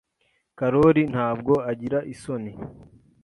Karoli ntabwo agira isoni.